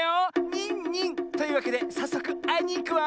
ニンニン！というわけでさっそくあいにいくわ。